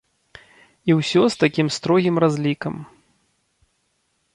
І ўсё з такім строгім разлікам.